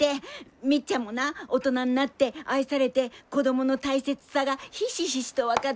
みっちゃんもな大人になって愛されて子供の大切さがひしひしと分かって。